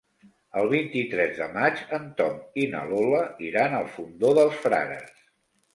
El vint-i-tres de maig en Tom i na Lola iran al Fondó dels Frares.